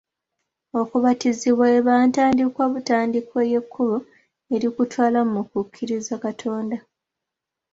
Okubatizibwa eba ntandikwa butandikwa ey'ekkubo erikutwala mu kukkiriza Katonda